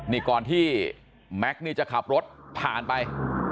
นี่ก่อนที่แม็กซ์นี่จะขับรถผ่านไป